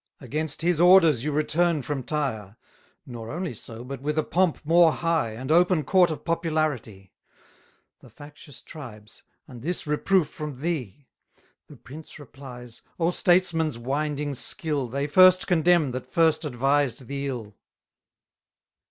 Against his orders you return from Tyre. Nor only so, but with a pomp more high, And open court of popularity, 180 The factious tribes. And this reproof from thee! The prince replies; Oh, statesman's winding skill, They first condemn that first advised the ill!